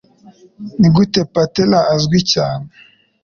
Nigute patella azwi cyane